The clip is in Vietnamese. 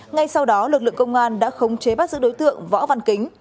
ngay sau đó lực lượng công an đã khống chế bắt giữ đối tượng võ văn kính